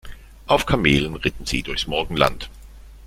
Auf Kamelen ritten sie durchs Morgenland.